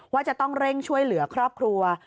ว่าจะต้องเร่งช่วยเหลือครอบครัว